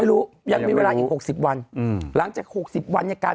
รู้ยังมีเวลาอีกหกสิบวันอืมหลังจาก๖๐วันเนี่ยการ